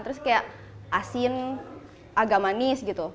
terus kayak asin agak manis gitu